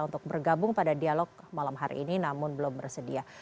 untuk bergabung pada dialog malam hari ini namun belum bersedia